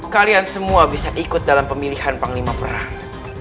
kalian semua bisa ikut dalam pemilihan panglima perang